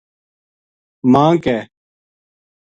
ماں ک